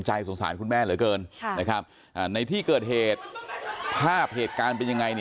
สงสารคุณแม่เหลือเกินในที่เกิดเหตุภาพเหตุการณ์เป็นยังไง